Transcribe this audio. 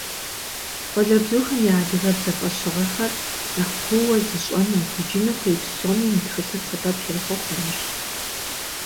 Къуалэбзухэм я адыгэбзэ фӏэщыгъэхэр нэхъ куууэ зыщӏэну, зыджыну хуей псоми мы тхылъыр сэбэп яхуэхъунущ.